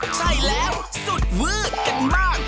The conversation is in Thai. ใช่แล้วสุดมืดกันมาก